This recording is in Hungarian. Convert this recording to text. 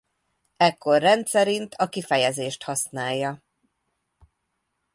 Ekkor rendszerint a kifejezést használja.